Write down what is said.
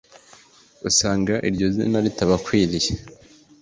usanga iryo zina ritabakwiriye